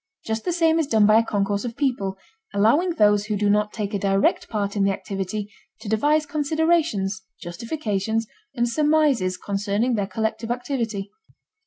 Just the same is done by a concourse of people, allowing those who do not take a direct part in the activity to devise considerations, justifications, and surmises concerning their collective activity.